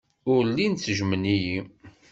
Ur llin ttejjmen-iyi.